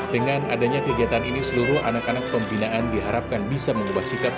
dengan adanya kegiatan ini seluruh anak anak pembinaan diharapkan bisa mengubah sikap